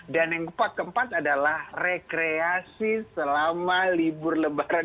dan yang keempat adalah rekreasi selama libur lebaran